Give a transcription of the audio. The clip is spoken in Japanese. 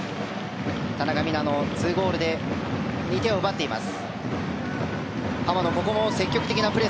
田中美南の２ゴールで２点を奪っています。